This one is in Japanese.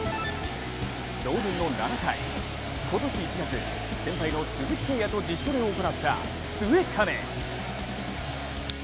同点の７回、今年１月、先輩の鈴木誠也と自主トレを行った末包。